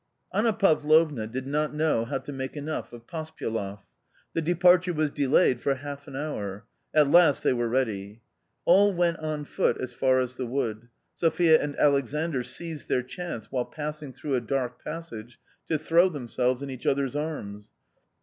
Anna Pavlovna did not know how to make enough of Pospyeloff. The departure was delayed for half an hour. At last they were ready. All went on foot as far as the wood. Sophia and Alex andr seized their chance, while passing through a dark passage, to throw themselves in each other's arms.